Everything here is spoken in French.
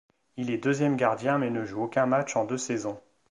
Il est deuxième gardien mais ne joue aucun match en deux saisons.